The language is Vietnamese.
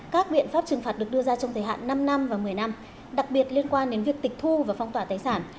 các biện pháp trừng phạt được đưa ra trong thời hạn năm năm và một mươi năm đặc biệt liên quan đến việc tịch thu và phong tỏa tài sản